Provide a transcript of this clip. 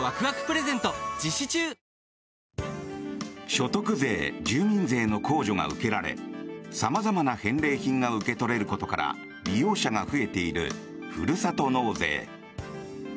所得税、住民税の控除が受けられ様々な返礼品が受け取れることから利用者が増えているふるさと納税。